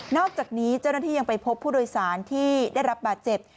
อกจากนี้เจ้าหน้าที่ยังไปพบผู้โดยสารที่ได้รับบาดเจ็บ